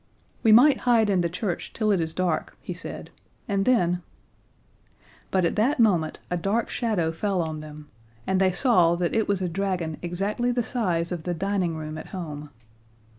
"We might hide in the church till it is dark," he said, "and then " But at that moment a dark shadow fell on them, and they saw that it was a dragon exactly the size of the dining room at home.